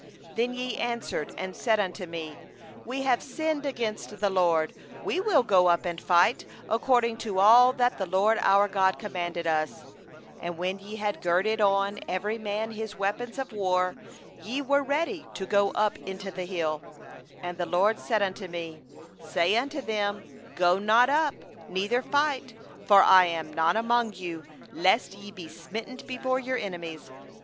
41Then ye answered and said unto me: 'We have sinned against the LORD, we will go up and fight, according to all that the LORD our God commanded us.' And ye girded on every man his weapons of war, and deemed it a light thing to go up into the hill country. 42And the LORD said unto me: 'Say unto them: Go not up, neither fight; for I am not among you; lest ye be smitten before your enemies.